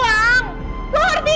lo harus pergi gak sih